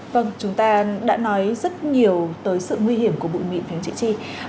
vâng chúng ta đã nói rất nhiều tới sự nguy hiểm của bụi mịn phía trị tri